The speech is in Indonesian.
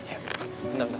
ya bentar bentar